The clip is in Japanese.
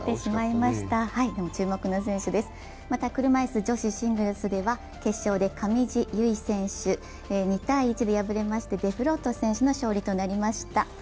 また車いす子女子シングルスでは決勝で上地結衣選手２−１で敗れましてデフロート選手の勝利となりました。